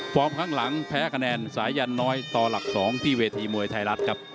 ข้างหลังแพ้คะแนนสายันน้อยต่อหลัก๒ที่เวทีมวยไทยรัฐครับ